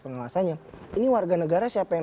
pengawasannya ini warga negara siapa yang